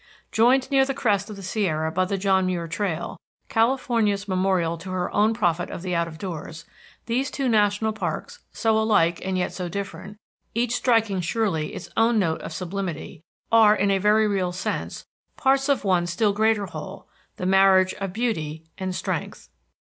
Joined near the crest of the Sierra by the John Muir Trail, California's memorial to her own prophet of the out of doors, these two national parks, so alike and yet so different, each striking surely its own note of sublimity, are, in a very real sense, parts of one still greater whole; the marriage of beauty and strength.